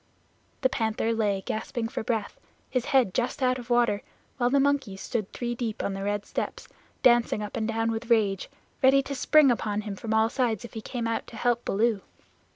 The Panther lay gasping for breath, his head just out of the water, while the monkeys stood three deep on the red steps, dancing up and down with rage, ready to spring upon him from all sides if he came out to help Baloo.